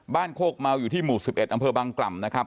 โคกเมาอยู่ที่หมู่๑๑อำเภอบางกล่ำนะครับ